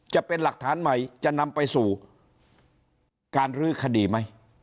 จะเป็นหลักฐานใหม่จะนำไปสู่การรื้อคดีไหม